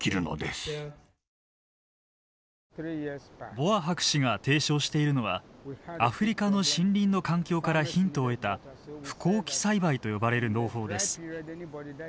ボア博士が提唱しているのはアフリカの森林の環境からヒントを得た不耕起栽培と呼ばれる農法です。